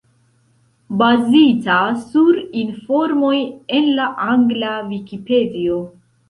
Bazita sur informoj en la angla Vikipedio.